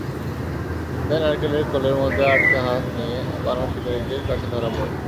তাই নারকেলের খোলের মধ্যে আটক হাত নিয়ে বানর শিকারিদের কাছে ধরা পড়ে।